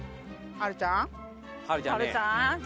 はるちゃん。